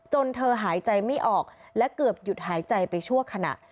เธอหายใจไม่ออกและเกือบหยุดหายใจไปชั่วขณะ